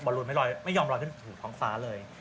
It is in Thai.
บรรลูลไม่ยอมรอยขึ้นถูกเถ้าฟ้าเลย